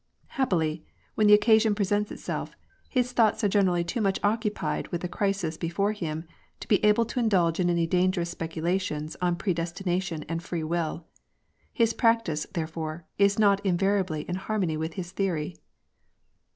Happily, when the occasion presents itself, his thoughts are generally too much occupied with the crisis before him, to be able to indulge in any dangerous speculations on predesti nation and free will ; his practice, therefore, is not in variably in harmony with his theory.